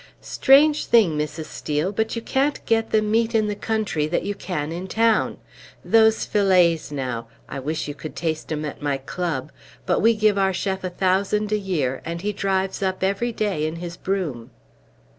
"Strange thing, Mrs. Steel, but you can't get the meat in the country that you can in town. Those fillets, now I wish you could taste 'em at my club; but we give our chef a thousand a year, and he drives up every day in his brougham."